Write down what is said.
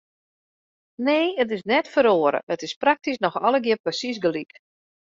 Nee, it is neat feroare, it is praktysk noch allegear persiis gelyk.